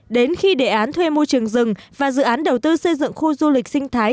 đến khi đề án thuê môi trường rừng và dự án đầu tư xây dựng khu du lịch sinh thái